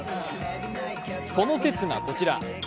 その節がこちら。